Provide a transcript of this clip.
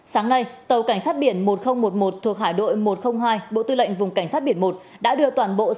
sáng nay tàu cảnh sát biển một nghìn một mươi một thuộc hải đội một trăm linh hai bộ tư lệnh vùng cảnh sát biển một đã đưa toàn bộ